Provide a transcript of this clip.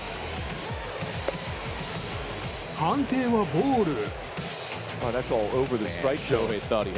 判定はボール。